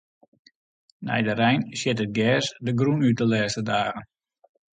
Nei de rein sjit it gers de grûn út de lêste dagen.